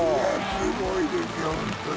すごいですよ、本当に。